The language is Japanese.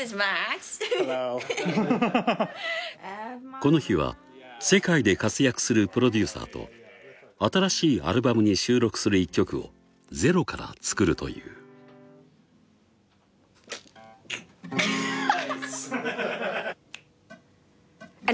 この日は世界で活躍するプロデューサーと新しいアルバムに収録する１曲をゼロから作るというアッハハハ！